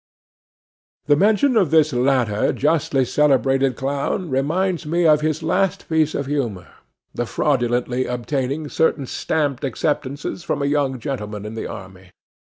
The mention of this latter justly celebrated clown reminds us of his last piece of humour, the fraudulently obtaining certain stamped acceptances from a young gentleman in the army.